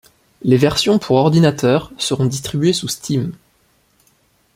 Les versions pour ordinateur seront distribuées sous Steam.